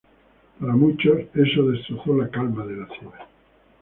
Para muchos, eso destrozó la calma de la ciudad.